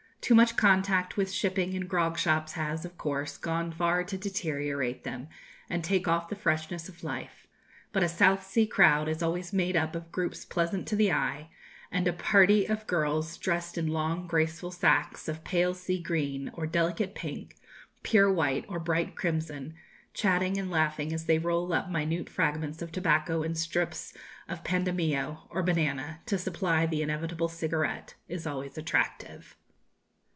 Too much contact with shipping and grog shops has, of course, gone far to deteriorate them, and take off the freshness of life; but a South Sea crowd is always made up of groups pleasant to the eye; and a party of girls dressed in long graceful sacques of pale sea green, or delicate pink, pure white, or bright crimson, chatting and laughing as they roll up minute fragments of tobacco in strips of pandameo or banana to supply the inevitable cigarette, is always attractive.